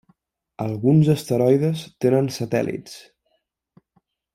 Alguns asteroides tenen satèl·lits.